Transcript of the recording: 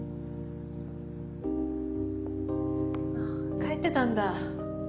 帰ってたんだ。